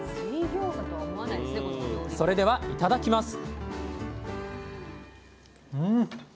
それではいただきます